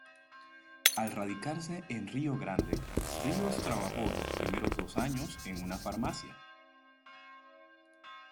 Al radicarse en Río Grande, Ríos trabajó los primeros dos años en una farmacia.